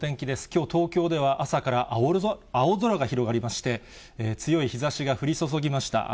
きょう、東京では朝から青空が広がりまして、強い日ざしが降り注ぎました。